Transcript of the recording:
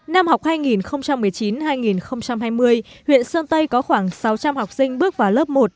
năm học hai nghìn một mươi chín hai nghìn hai mươi huyện sơn tây có khoảng sáu trăm linh học sinh bước vào lớp một